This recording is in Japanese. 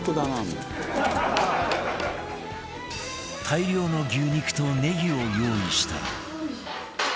大量の牛肉とネギを用意したら